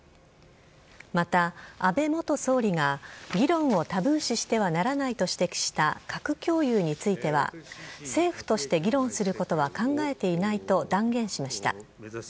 また、安倍元総理が、議論をタブー視してはならないと指摘した核共有については、政府として議論することは考えていないと断言しました。